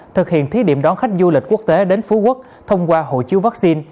thực hiện thí điểm đón khách du lịch quốc tế đến phú quốc thông qua hộ chiếu vaccine